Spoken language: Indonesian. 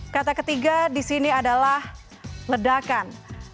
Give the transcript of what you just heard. kata ketiga di sini adalah ledakan